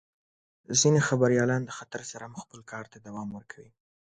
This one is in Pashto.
ځینې خبریالان د خطر سره هم خپل کار ته دوام ورکوي.